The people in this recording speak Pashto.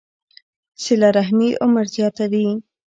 صله رحمي عمر زیاتوي.